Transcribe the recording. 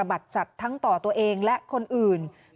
คุณสิริกัญญาบอกว่า๖๔เสียง